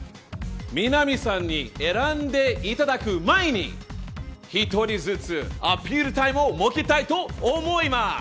みなみさんに選んでいただく前に１人ずつアピールタイムを設けたいと思います。